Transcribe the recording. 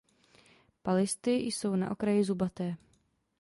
Palisty jsou na okraji zubaté.